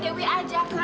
kamu ini kalau urusan